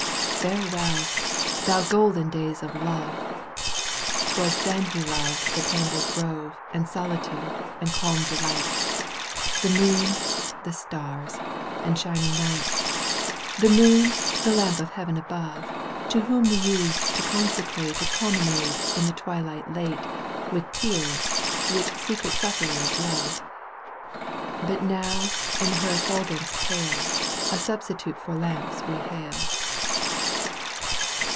Farewell ! thou golden days of love Г 'Twas then he loved the tangled grove And solitude and calm delight, The moon, the stars, and shining night — The moon, the lamp of heaven above. To whom we used to consecrate A promenade in twilight late With tears which secret sufferers love — But now in her efiftilgence pale A substitute for lamps we hail